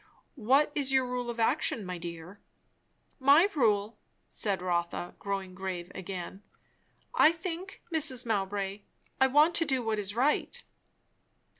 "What is your rule of action, my dear?" "My rule?" said Rotha, growing grave again. "I think, Mrs. Mowbray, I want to do what is right."